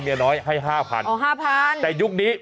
คุณคุณลองว่ายังไงนะ